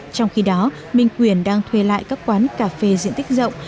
trong khi đó minh quyền đang thuê lại các quán cà phê diện tích rộng